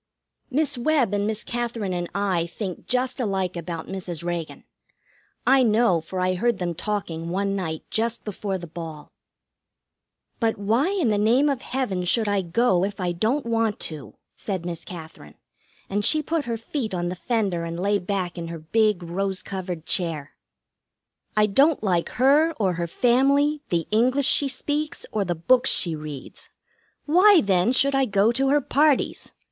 Miss Webb and Miss Katherine and I think just alike about Mrs. Reagan. I know, for I heard them talking one night just before the ball. "But why in the name of Heaven should I go if I don't want to?" said Miss Katherine, and she put her feet on the fender and lay back in her big rose covered chair. "I don't like her, or her family, the English she speaks, or the books she reads. Why, then, should I go to her parties?